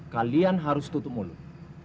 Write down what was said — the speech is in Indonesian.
kalian harus tutup mulut